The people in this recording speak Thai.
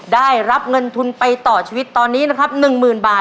ได้รับเงินทุนไปต่อชีวิตตอนนี้นะครับ๑๐๐๐บาท